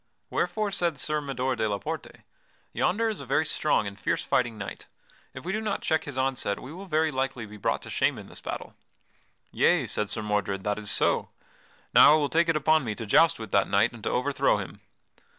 Wherefore said Sir Mador de la Porte: "Yonder is a very strong and fierce fighting knight; if we do not check his onset we will very likely be brought to shame in this battle." "Yea," said Sir Mordred, "that is so. Now I will take it upon me to joust with that knight and to overthrow him."